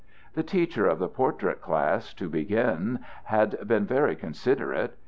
The teacher of the portrait class, to begin, had been very considerate.